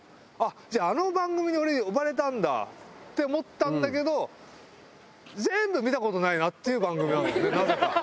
じゃああの番組に俺呼ばれたんだって思ったんだけど全部見た事ないなっていう番組なのねなぜか。